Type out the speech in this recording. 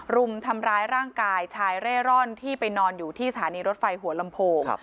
รุมทำร้ายร่างกายชายเร่ร่อนที่ไปนอนอยู่ที่สถานีรถไฟหัวลำโพง